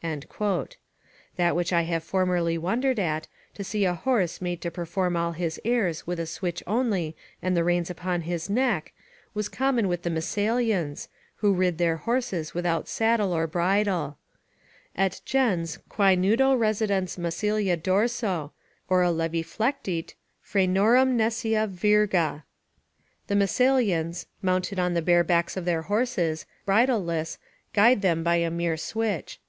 That which I have formerly wondered at, to see a horse made to perform all his airs with a switch only and the reins upon his neck, was common with the Massilians, who rid their horses without saddle or bridle: "Et gens, quae nudo residens Massylia dorso, Ora levi flectit, fraenorum nescia, virga." ["The Massylians, mounted on the bare backs of their horses, bridleless, guide them by a mere switch."